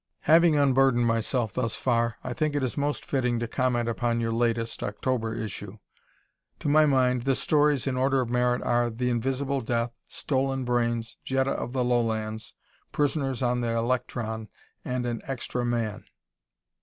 Having unburdened myself thus far, I think it is most fitting to comment upon your latest (October) issue. To my mind, the stories in order of merit are: "The Invisible Death," "Stolen Brains," "Jetta of the Lowlands," "Prisoners on the Electron," and "An Extra Man."